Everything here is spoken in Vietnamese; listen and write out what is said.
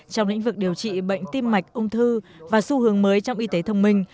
trong lĩnh vực điều trị bệnh tim mạch ung thư và xu hướng mới trong y tế thông minh